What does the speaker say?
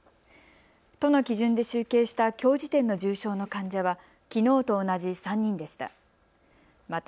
都の基準で集計したきょう時点の重症の患者はきのうと同じ３人でした。